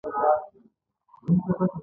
د ژوند د کیف سندره ماته په بیابان پرته وه